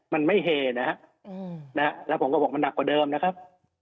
มันไม่เฮนะฮะแล้วผมก็บอกมันหนักกว่าเดิมนะครับ